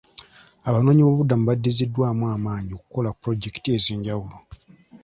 Abanoonyi b'obubuddamu badiziddwaamu amaanyi okukola ku pulojekiti ez'enjawulo.